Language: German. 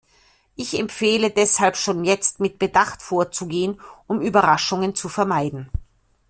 Ich empfehle deshalb schon jetzt, mit Bedacht vorzugehen, um Überraschungen zu vermeiden.